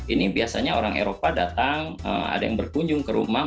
ini biasanya orang eropa datang ada yang berkunjung ke rumah